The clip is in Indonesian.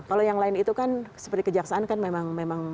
kalau yang lain itu kan seperti kejaksaan kan memang